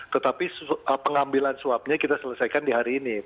tetapi pengambilan suapnya kita selesaikan di hari ini